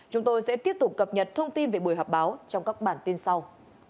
chúng tôi sẽ tiếp tục cập nhật thông tin về buổi họp báo trong các bản tin sau